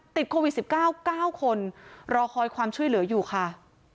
ติดโควิด๑๙๙คนรอคอยความช่วยเหลืออยู่ค่ะ